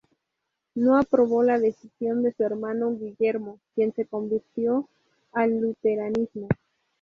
No aprobó la decisión de su hermano Guillermo, quien se convirtió al luteranismo.